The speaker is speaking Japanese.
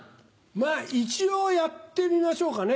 まぁ一応やってみましょうかね。